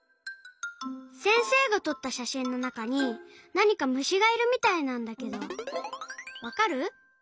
せんせいがとったしゃしんのなかになにかむしがいるみたいなんだけどわかる？